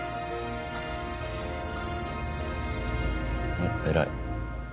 おっ偉い。